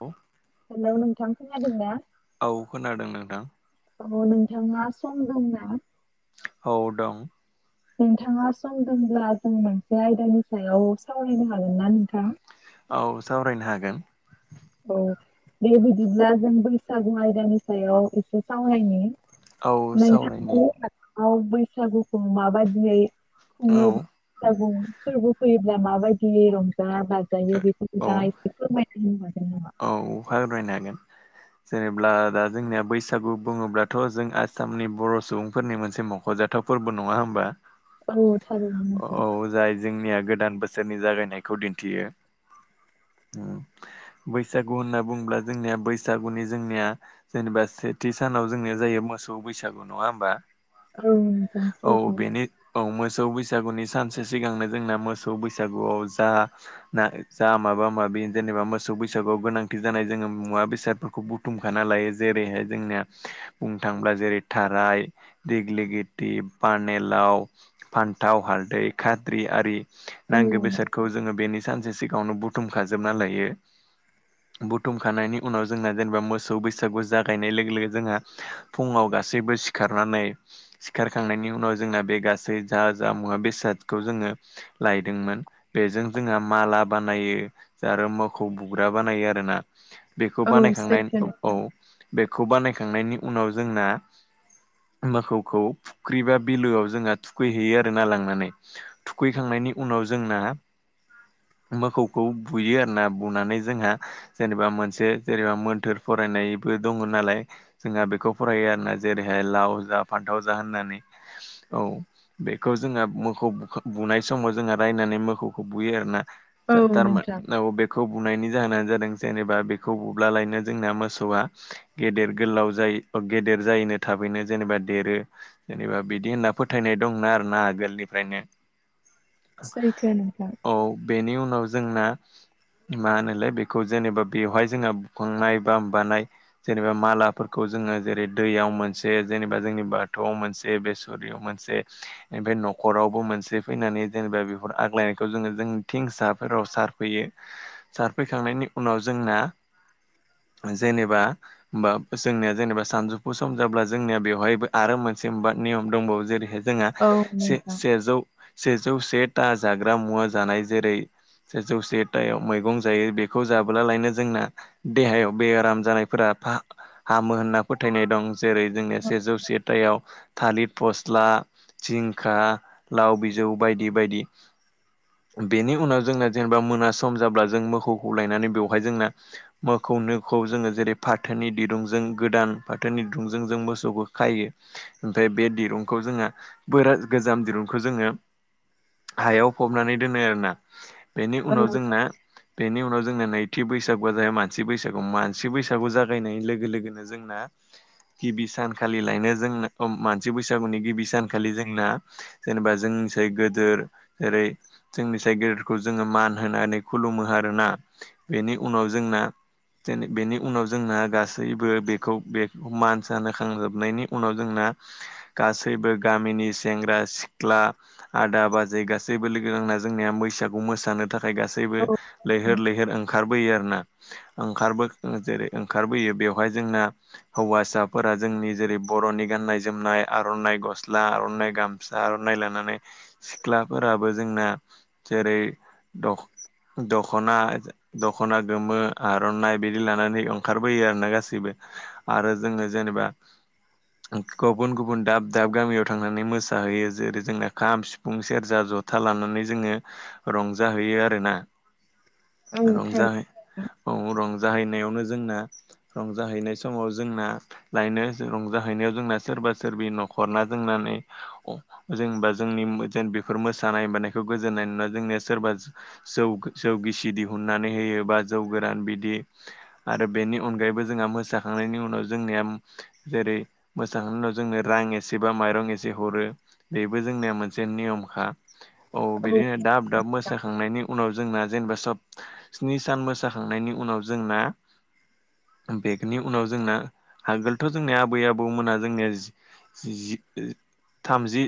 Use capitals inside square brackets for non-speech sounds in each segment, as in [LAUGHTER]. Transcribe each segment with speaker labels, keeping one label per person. Speaker 1: औ
Speaker 2: हेलौ नोंथां खोनादोंना?
Speaker 1: औ खोनादों नोंथां
Speaker 2: अ नोंथांना सम दंना?
Speaker 1: औ दं।
Speaker 2: नोंथाङा सम दोंब्ला जों मोनसे आयदानि सायाव सावरायनो हागोन ना नोंथां?
Speaker 1: औ सावरायनो हागोन
Speaker 2: औ दे बिदिब्ला जों बैसागु आयदानि सायाव एसे
Speaker 1: औ
Speaker 2: सावरायनि [UNINTELLIGIBLE]
Speaker 1: सावरायनि
Speaker 2: औ बैसागुखौ माबादियै
Speaker 1: औ
Speaker 2: खुङो बैसागु फोरबो फैयोब्ला माबायदियै रंजा बाजायो बेफोरखौ
Speaker 1: औ
Speaker 2: दा एसे फोरमायथिनो हागोन नामा?
Speaker 1: औ फोरमायनो हागोन जेनेब्ला दा जोंनिया बैसागु बुङोब्लाथ जों आसामनि बर' सुबुंफोरनि मोनसे मखजा थाव फोरबो नङा होमबा
Speaker 2: औ थारैनो नोंथां।
Speaker 1: औ जाय जोंनिया गोदान बोसोरनि जागायनायखौ दिन्थियो बैसागु होनना बुङोब्ला जोंनिया बैसागुनि जोंनिया जेनेबा सेथि सानाव जोंनिया जायो मोसौ बैसागु नङा होमबा?
Speaker 2: औ नोंथां
Speaker 1: औ
Speaker 2: सैथो।
Speaker 1: बेनो औ मोसौ बैसागुनि सानसे सिगांनो जोंना मोसौ बैसागुआव जा ना जा माबा माबि जेनेबा मोसौ बै बैसागुआव गोनांथि जानाय जोङो मुवा बेसादफोरखौ बुथुमखाना लायो जेरैहाय जोंनिया बुंनो थाङोब्ला जेरै थाराय दिग्लिगेटि पानिलाव फान्थाव, हालदै, खात्रि आरि
Speaker 2: औ
Speaker 1: नांगो बेसादखौ जोङो बेनि सानसे सिगाङावनो बुथुमखाजोबना लायो बुथुमखांनायनि उनाव जोंहा जेनेबा मोसौ बैसागु जागायनाय लोगो लोगो जोंहा फुङाव गासैबो सिखारनानै सिखारखांनायनि उनाव जोंना बे गासै जा जा मुवा बेसादखौ जोङो लायदोंमोन बेजों जोंहा माला बानायो जा आरो मोखौ बु ग्रा बानायो आरोना बेखौ
Speaker 2: औ
Speaker 1: बानायखांनाय
Speaker 2: सैथो नों-
Speaker 1: औ बेखौ बानायखांनायनि उनाव जोंना मोखौखौ फुख्रि बा बिलोआव जोंहा थुखैहैयो आरोना लांनानै थुखैखांनायनि उनाव जोंना मोखौखौ बुयो आरोना बुनानै जोंहा जेनेबा मोनसे जेनेबा मोन्थोर फरायनायबो दङ नालाय जोंहा बेखौ फरायो आरोना जेरैहाय लाव जा फान्थाव जा होननानै औ बेखौ जोङा मोखौ बुनाय समाव जोंहा रायनानै मोखौखौ बुयो आरोना
Speaker 2: औ नोंथां
Speaker 1: तारमा बेखौ बुनायनि जाहोनानो जादों जेनेबा बेखौ बुब्ला लायनो जोंना मोसौआ गेदेर गोलाव जायो गेदेर जायैनो थाबैनो जेनेबा देरो। जेनेबा बिदि होनना फोथायनाय दंना आरो ना आगोलनिफ्रायनो।
Speaker 2: सैथो नोंथां।
Speaker 1: औ बेनि उनाव जोंना मा होनो? ले बेखौ जेनेबा बेवहाय जोंहा बुखांनाय बा बानाय जेनेबा मालाफोरखौ जोङो जेरै दैयाव मोनसे जेनेबा जोंनि बाथौआव मोनसे बे [UNINTELLIGIBLE] मोनसे ओमफ्राय न'खरावबो मोनसे फैनानै जेनेबा बेफोर आग्लायनायखौ जोङो जों थिंसाफोराव सार फैयो सारफैखांनायनि उनाव जोंना जेनेबा बा जोंनिया जेनेबा सानजौफु सम जाब्ला जोंनिया बेवहायबो आरो मोनसे नियम दंबावो जेरैहाय जोंहा
Speaker 2: औ नोंथां
Speaker 1: सेजौ सेजौ सेथा जाग्रा मुवा जानाय जेरै सेजौ सेथायाव मैगं जायो बेखौ जाबोला लायनो जोंना देहायाव बेराम जानायफोरा हामो होनना फोथायनाय दं जेरै जोंङो
Speaker 2: औ
Speaker 1: सेजौ सेथायाव थालिरि फस्ला जिंखा लाव बिजौ बायदि बायदि। बेनि उनाव जोंना जेनेबा मोना सम जाब्ला जों मोसौखौ लायनानै बेवहाय जोंना मोखौ नोखौ जोङो जेरै फाथोनि दिरुंजों गोदान फाथोनि दिरुंजों जों मोसौखौ खायो। ओमफ्राय बे दिरुंखौ जोंहा बोराट गोजाम दिरुंखौ जोङो हायाव फबनानै दोनो आरोना बेनि
Speaker 2: औ
Speaker 1: उनाव जोंना बेनि उनाव जोंना नैथि बैसागुआ जाह मानसि बैसागु मानसि बैसागु जागायनाय लोगो लोगोनो जोंना गिबि सानखालिलायनो जोंना मानसि बैसागुनि गिबि सानखालि जोंना जेनेबा जोंनिसाय गोदोर जेरै जोंनिसाय गेदेरखौ जोङो मान होनानै खुलुमो आरोना बेनि उनाव जोंना बेनि उनाव जोंना गासैबो बेखौ बे मान सान होखांजोबनायनि उनाव जोंना गासैबो गामिनि सेंग्रा-सिख्ला आदा, बाजै गासैबो लोगो नांना जोंनिया बैसागु मोसानो नि थाखाय गासैबो
Speaker 2: औ नोंथां
Speaker 1: लैहोर लैहोर ओंखारबोयो आरोना। ओंखारबो जेरै ओंखारबोयो बेवहाय जोंना हौवासाफोरा जोंनि जेरै बर'नि गाननाय जोमनाय आर'नाइ गस्ला आर'नाइ गामसा फिसा आर'नाइ लानानै सिख्लाफोराबो जोंना जेरै दख दख'ना दख'ना गोमो आर'नाइ बिदि लानानै ओंखारबोयो आरो ना गासैबो। आरो जोङो जेनेबा गुबुन गुबुन दाब दाब गामियाव थांनानै मोसाहैयो जेरै जोंना खाम सिफुं सेरजा जथा खोथा लानानै जोङो रंजाहैयो आरोना।
Speaker 2: औ
Speaker 1: रंजाहै
Speaker 2: थारैनो
Speaker 1: रंजाहैनायावनो जोंना रंजाहैनाय समाव जोंना लायनो रंजाहैनायाव जोंना सोरबा सोरबि न'खरना जोंनानै जेनेबा जोंनि ज बेफोर मोसानाय मानायखौ गोजोननाय नोना जोंनिया सोरबा जौ जौ गिसि दिहुननानै होयो बा जौ गोरान बिदि आरो बेनि अनगायैबो जोंहा मोसाखांनायनि उनाव जोंनिया जेरै मोसानायफोरनो उनाव जोंनो रां एसे बा माइरं एसे हरो। बेबो जोंनिया मोनसे नियमखा औ बिदिनो दाब दाब
Speaker 2: नोंथां
Speaker 1: मोसाखांनायनि उनाव जोंना जेनेबा सब स्नि सान मोसाखांनायनि उनाव जोंना बेनि उनाव जोंना आगोलथ' जोंनिया आबै आबौमोना जोंनिया जि थामजि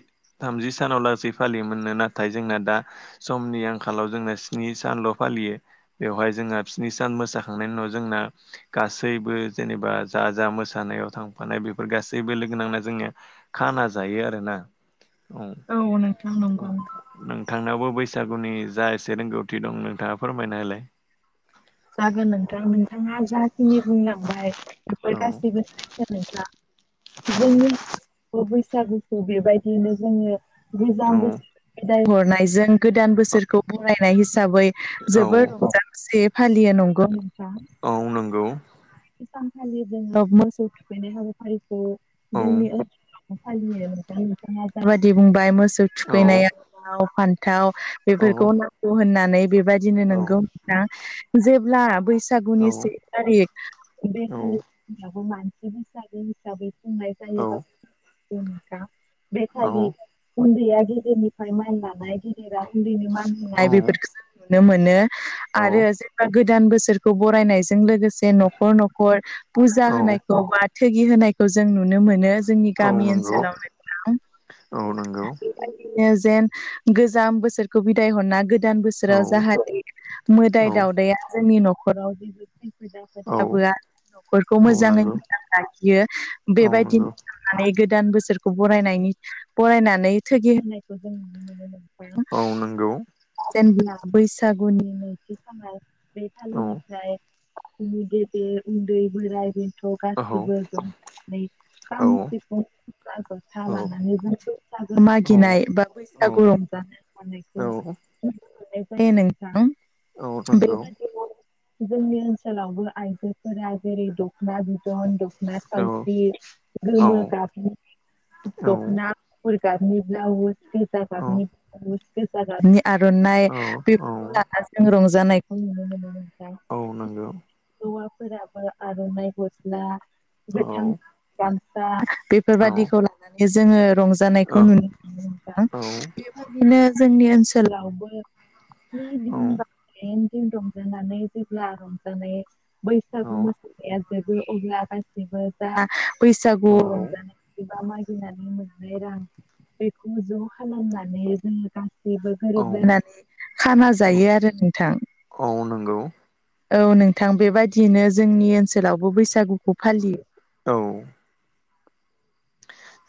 Speaker 1: थामजि सानाव लासै फालियोमोननो नाथाय जोंना दा समनि आंखालाव जोंना स्नि सानल' फालियो बेवहाय जोंहा बिनि सान मोसाखांनायनि उनाव जोंना गासैबो जेनेबा जा जा मोसानायाव थांफानाय बेफोर गासैबो लोगो नांना जोंनिया खाना जायो आरो ना औ
Speaker 2: नोंथां नंगौ
Speaker 1: नोंथांनावबो बैसागुनि जा एसे रोंगौ दं नोंथाङा फोरमायनाय होलाय
Speaker 2: जागोन नोंथां नोंथाङा जाखिनि बुंलांबाय बेफोर
Speaker 1: औ
Speaker 2: गासैबो जा जोंनि बैसागुखौ बेबायदियैनो जोङो गोजाम
Speaker 1: औ
Speaker 2: बोसोर बेदाय हरनायजों गोदान बोसोरखौ बरायनाय हिसाबै
Speaker 1: औ
Speaker 2: जोबोद रंजा खुसियै फालियो नंगौ नोंथां
Speaker 1: औ नंगौ
Speaker 2: बे सानखालि जोङो मोसौ थुखैनाय हाबाफारिखौ
Speaker 1: औ
Speaker 2: जोंनि फालियो नोंथाङा जाबायदि बुंबाय मोसौ
Speaker 1: औ
Speaker 2: थुखैनायाव लाव फान्थाव
Speaker 1: औ
Speaker 2: बेफोरखौ नांगौ होननानै बेबायदिनो
Speaker 1: औ
Speaker 2: नोंगौ जेब्ला
Speaker 1: औ
Speaker 2: बैसागुनि से थारिख बेखालिबो मानसि बैसागो हिसाबै खुंनाय जायोबा बे खालि उन्दैया गिदिरनिफ्राय मान लानाय गिदिर उन्दैनो मान होननाय बेफोरखौ जों नुनो मोनो आरो
Speaker 1: औ
Speaker 2: जेनबा गोदो गोदान बोसोरखौ बरायनायजों लोगोसे न'खर न'खर फुजा
Speaker 1: औ
Speaker 2: होनाय बा थोगि होनायखौ जों नुनो मोनो जोंनि
Speaker 1: औ
Speaker 2: गामि
Speaker 1: नंगौ
Speaker 2: ओनसोलाव नो
Speaker 1: औ नंगौ
Speaker 2: जेन गोजाम बोसोरखौ बिदाय हरना गोदान बोसोर
Speaker 1: औ
Speaker 2: बोसोराव जाहाथे मोदाय
Speaker 1: औ
Speaker 2: दावदाया जोंनि न'खराव जेबो खैफोद
Speaker 1: औ
Speaker 2: लाबोआ न'खरखौ
Speaker 1: औ
Speaker 2: मोजाङै
Speaker 1: नंगौ
Speaker 2: मोजां लाखियो
Speaker 1: औ
Speaker 2: बेबायदिनो
Speaker 1: नंगौ
Speaker 2: माने गोदान बोसोरखौ बरायनायनि बरायनानै थगि होनायखौ जों नुनो मोनो
Speaker 1: औ नंगौ
Speaker 2: जेनेब्ला बैसागुनि नैथि सानाव बे
Speaker 1: औ
Speaker 2: खालिनिफ्राय गोदो उन्दै बोराइ बेनथ थ
Speaker 1: औ
Speaker 2: गासिबो ज जानानै
Speaker 1: औ
Speaker 2: खाम सिफुं खाम जथा
Speaker 1: औ
Speaker 2: लानानै बिदिनो बैसागो मागिनाय बा
Speaker 1: औ
Speaker 2: बैसागु रंजानाय
Speaker 1: औ औ
Speaker 2: [UNINTELLIGIBLE]
Speaker 1: नंगौ
Speaker 2: बेबायदिखौ जों नि ओनसोलाव ओनसोलावबो आइजोफोरा जेरै दख'ना बिदन दखना ना
Speaker 1: औ
Speaker 2: सावस्रि गोमो
Speaker 1: औ
Speaker 2: गाबनि दख'ना गुफुर गाबनि ब्लाउस गोजा
Speaker 1: औ औ
Speaker 2: गाबनि [UNINTELLIGIBLE] आर'नाइ
Speaker 1: औ औ
Speaker 2: बेफोरखौ लानानै जों रंजानायखौ नुनो मोनो
Speaker 1: औ नंगौ
Speaker 2: हौवाफोराबो आर'नाइ गस्ला गोथां
Speaker 1: औ
Speaker 2: गामसा
Speaker 1: औ
Speaker 2: बेफोरबायदिखौ लानानै जोङो
Speaker 1: औ
Speaker 2: रंजानायखौ
Speaker 1: औ
Speaker 2: नुनो मोनो
Speaker 1: औ
Speaker 2: बेबायदिनो जोंनि ओनसोलावबो रंजानानै जेब्ला रंजानाय बैसागु मोसानाय जोबो अब्ला गाससिबो जा बैसागु
Speaker 1: औ
Speaker 2: रंजानाय बा मागिनाय मागिनानै मोननाय रां बेखौ ज' खालामनानै जोङो गां बेबो गोरोबलायनानै खाना
Speaker 1: औ
Speaker 2: जायो आरो नोंथां
Speaker 1: औ नंगौ
Speaker 2: औ नोंथां बेबायदियैनो जोंनि ओनसोलावबो बैसागुखौ फालियो
Speaker 1: औ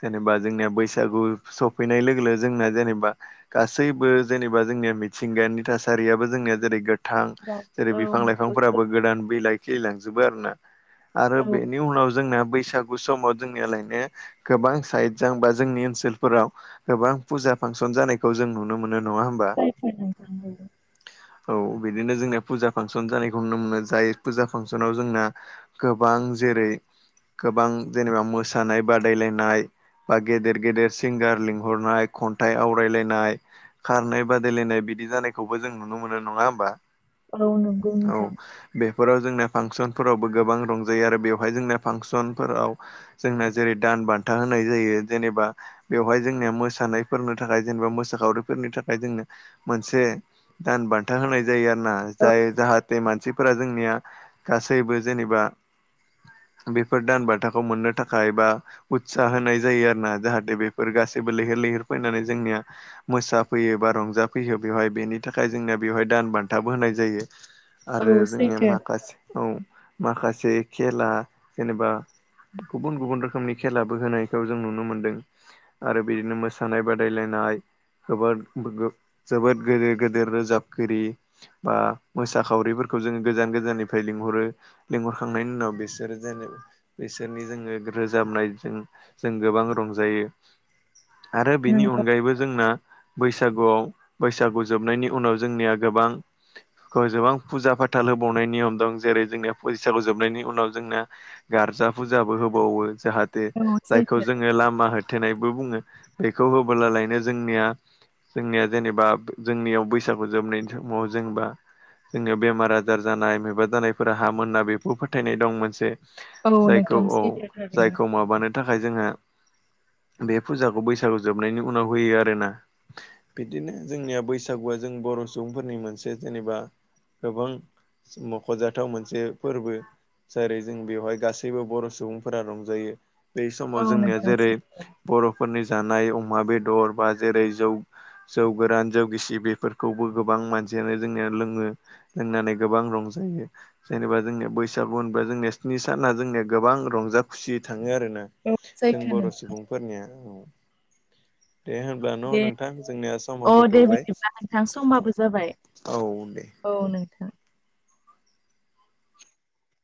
Speaker 1: जेनेबा जोंनिया बैसागु सफैनाय लोगो लोगो जोंना जेनेबा गासैबो जेनेबा जोंनिया मिथिंगानि थासारियाबो जोंनिया जेरै थां जेरै
Speaker 2: औ
Speaker 1: बिफां
Speaker 2: नंगौ
Speaker 1: लाइफांफोराबो गोदान बिलाइ खिलिलांजोबो आरो ना आरो
Speaker 2: औ
Speaker 1: बेनि उनाव जोंना बैसागु समाव जोंनियालायनो गोबां साइड जाबा जोंनि ओनसोलफोराव गोबां फुजा फांसन जानाय खौ जों नुनो मोनो नङा होमबा
Speaker 2: सैथो नोंथां
Speaker 1: औ बिदिनो जोंना फुजा फांसन जानायखौ नुनो मोनो जाय फुजा फांसनाव जोंना गोबां जेरै गोबां जेनेबा मोसानाय बादि बादलायनाय बा गेदेर गेदेर सिंगार लिंहरनाय खन्थाइ आवरायलायनाय खारनाय बादायलायनाय बिदि जानायखौबो जों नुनो मोनो नङा होमबा
Speaker 2: औ औ नंगौ
Speaker 1: औ
Speaker 2: नोंथां
Speaker 1: बेफोराव जोंना फांसनफोरावबो गोबां रंजायो आरो बेवहाय जोंना फांसनफोराव जोंना जेरै दान बान्था होनाय जायो जेनेबा बेवहाय जोंनिया मोसानायफोरनि थाखाय जेनेबा मोसाखावरिफोरनि थाखाय जोंनो मोनसे दान बान्था होनाय जायो आरो ना
Speaker 2: औ
Speaker 1: जाय जाहाथे मानसिफोरा जोंनिया गासैबो जेनेबा बेफोर दान बान्थाखौ मोननो थाखाय बा उत्साह होनाय जायो आरो ना जाहाथे बेफोर गासैबो लैहोर लैहोर फैनानै जोंनिया मोसाफैयो बा रंजाफैयो बेवहाय बेनि थाखाय जोंनिया बेवहाय दान बान्थाबो होनाय जायो आरो
Speaker 2: औ
Speaker 1: जोंनि
Speaker 2: सैथो
Speaker 1: माखासे औ माखासे खेला जेनेबा गुबुन गुबुन रोखोमनि खेलाबो होनायखौ जों नुनो मोन्दों आरो बिदिनो मोसानाय बादायलायनाय जोबोद गेदेर गेदेर रोजाबगिरि बा मोसाखावरिफोरखौ जोङो गोजान गोजाननिफ्राय लिंहरो लेंहरखांनायनि उनाव बिसोर जेन बिसोरनि जोङो रोजाबनाय जों जों गोबां रंजायो आरो बेनि
Speaker 2: नंगौ
Speaker 1: अनगायैबो जोंना बैसागुआव बैसागु जोबनायनि उनाव जोंनिया गोबां गोबां फुजा फाथाल होबावनाय नियम दं जेरै जोंनिया बैसागु जोबनायनि उनाव जोंना गारजा फुजाबो होबावो जाहाथे
Speaker 2: औ
Speaker 1: जायखौ
Speaker 2: सैथो
Speaker 1: जोङो लामा हो थेनायबो बुङो बेखौ होबोलालायनो जोंनिया जोंनिया जेनेबा जोंनियाव बैसागु जोबनायनि समाव जेनेबा जोंयाव बेमार आजार जानाय मबा जानायफोरा हाम मोनना बेखौ फोथायनाय दं मोनसे
Speaker 2: औ
Speaker 1: जायखौ
Speaker 2: नोंथां
Speaker 1: औ
Speaker 2: सैथो थारैनो
Speaker 1: जायखौ माबानो थाखाय जोङो बे फुजाखौ बैसागु जोबनायनि उनाव होयो आरोना बिदिनो जोंनिया बैसागुआ जों बर' सुबुंफोरनि मोनसे जेनेबा गोबां मखजाथाव मोनसे फोरबो जेरै जों बेवहाय गासैबो बर' सुबुंफोरा रंजायो बै समाव
Speaker 2: औ
Speaker 1: जोंनिया
Speaker 2: नोंथां
Speaker 1: जेरै
Speaker 2: सैथो
Speaker 1: बर'फोरनि जानाय अमा बेदर बा जेरै जौ जौ गोरान जौ गिसि बेफोरखौबो गोबां मानसियानो जोंनिया लोङो लोंनानै गोबां रंजायो जेनेबा जोंनिया बैसागु होनबा जोंनिया स्नि साना जोंनिया गोबां रंजा खुसियै थाङो आरोना जों बर'
Speaker 2: नोंथां
Speaker 1: सुबुंफोरनिया औ दे होन अब्ला न
Speaker 2: दे
Speaker 1: नोंथां जोंनिया
Speaker 2: अ
Speaker 1: समाबो
Speaker 2: दे
Speaker 1: थौबाय
Speaker 2: बिदिब्ला नोंथां समाबो जाबाय
Speaker 1: औ दे
Speaker 2: औ नोंथां